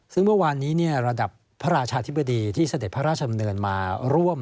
ซึ่งเมื่อวานนี้ระดับพระราชาธิบดีที่เสด็จพระราชดำเนินมาร่วม